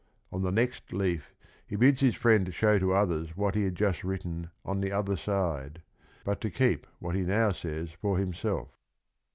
On the next leaf he bids his friend show to others what he had just written on the other side, but to keep what he now says for himself.